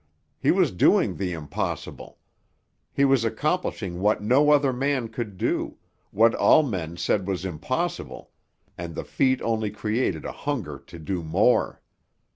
He was doing the impossible; he was accomplishing what no other man could do, what all men said was impossible; and the feat only created a hunger to do more.